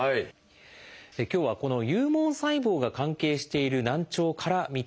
今日はこの有毛細胞が関係している難聴から見ていきます。